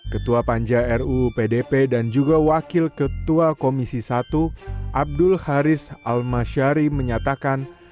ketua panja ruu pdp dan juga wakil ketua komisi i abdul haris alma syari menyatakan